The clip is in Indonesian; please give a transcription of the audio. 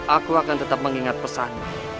aku akan tetap mengingat pesan